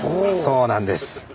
そうなんです。